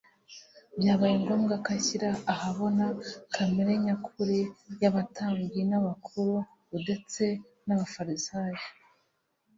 Byabaye ngombwa ko ashyira ahabona kamere nyakuri y'abatambyi n'abakuru udetse n'abafarisayo.